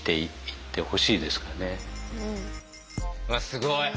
すごい。